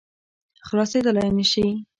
خلاصېدلای نه شي.